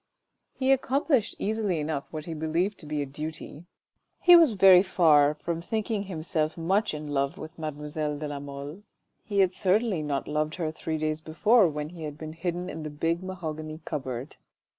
He accomplished easily enough what he believed to be a duty; he was very far from thinking himself much in love with mademoiselle de la Mole. He had certainly not loved her three days before, when he had been hidden in the big mahogany cupboard.